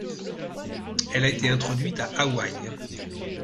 Elle a été introduite à Hawaii.